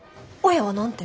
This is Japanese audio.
親は何て？